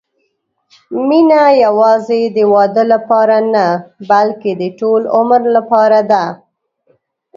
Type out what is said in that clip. مینه یوازې د واده لپاره نه، بلکې د ټول عمر لپاره ده.